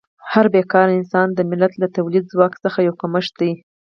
هر بېکاره انسان د ملت له تولیدي ځواک څخه یو کمښت دی.